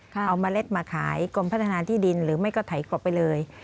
เอาเมล็ดมาขายกรมพัฒนาที่ดินหรือไม่ก็ไถกบไปเลย